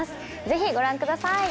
ぜひご覧ください。